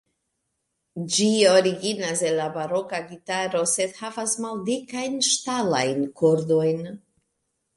Ĝi originas el la baroka gitaro, sed havas maldikajn ŝtalajn kordojn.